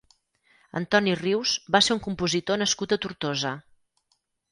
Antoni Rius va ser un compositor nascut a Tortosa.